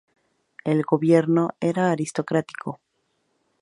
El gobierno era aristocrático.